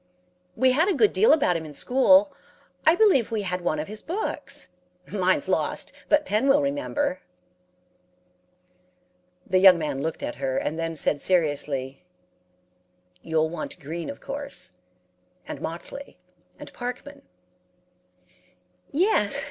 "'We had a good deal about him in school. I believe we had one of his books. Mine's lost, but Pen will remember.' "The young man looked at her, and then said seriously, 'You'll want Green, of course, and Motley, and Parkman.' "'Yes.